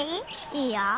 いいよ。